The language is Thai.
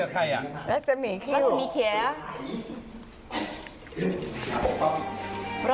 ใครกับใครอ่ะ